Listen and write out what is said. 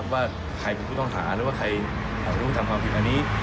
ว่าใครเป็นผู้ต้องหาหรือว่าใครร่วมทำความผิดอันนี้